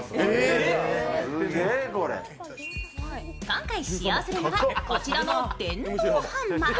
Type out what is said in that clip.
今回使用するのは、こちらの電動ハンマー。